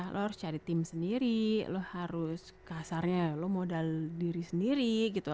lo harus cari sendiri ya lo harus cari tim sendiri lo harus kasarnya lo modal diri sendiri gitu